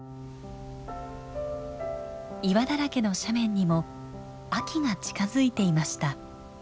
岩だらけの斜面にも秋が近づいていました。